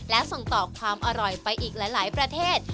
และส่งต่อความอร่อยไปอีกหลายประเทศ